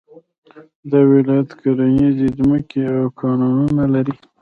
دا ولایت کرنيزې ځمکې او کانونه لري